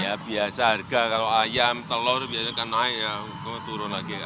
ya biasa harga kalau ayam telur biasanya kena turun lagi